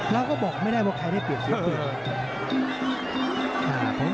เราก็บอกไม่ได้ว่าใครได้เปลี่ยนเสียงเปลี่ยน